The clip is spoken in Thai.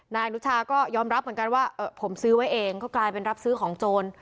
นายอนุชาก็ยอมรับเหมือนกันว่าผมซื้อไว้เองก็กลายเป็นรับซื้อของโจร